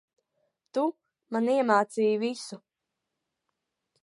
Tu, man iemācīji visu.